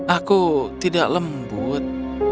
aku tidak lembut